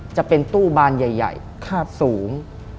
จะเป็นตู้บานใหญ่สูง